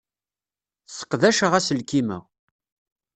Sseqdaceɣ aselkim-a.